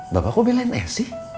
bapak kok belain esi